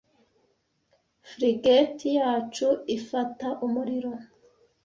Frigate yacu ifata umuriro,